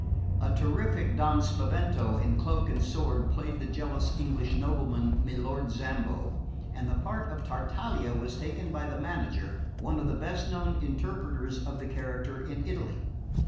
A terrific Don Spavento in cloak and sword played the jealous English nobleman, Milord Zambo, and the part of Tartaglia was taken by the manager, one of the best known interpreters of the character in Italy.